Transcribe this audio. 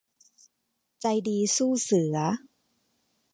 ใจดีสู้เสือ